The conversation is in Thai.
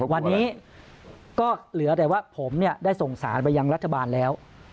วันนี้ก็เหลือแต่ว่าผมได้ส่งสารไปยังรัฐบาลแล้ว